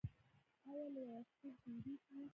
ایا له یوازیتوب ویریږئ؟